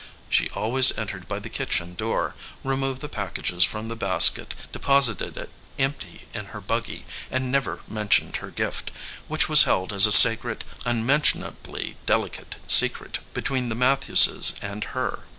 She always entered by the kitchen door, removed the packages from the basket, deposited it empty in her buggy and never mentioned her gift, which was held as a sacred, unmentionably delicate secret between the Matthewses and her.